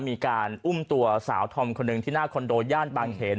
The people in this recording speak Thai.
มีการอุ้มตัวสาวธอมคนหนึ่งที่หน้าคอนโดย่านบางเขน